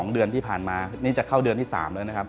๒เดือนที่ผ่านมานี่จะเข้าเดือนที่๓แล้วนะครับ